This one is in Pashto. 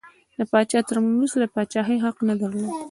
د پاچا تر مړینې وروسته د پاچاهۍ حق نه درلود.